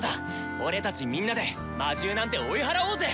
俺たちみんなで魔獣なんて追い払おうぜ！